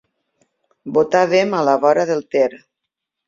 Botàvem a la vora del Ter.